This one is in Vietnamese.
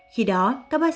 khi đó các bác sĩ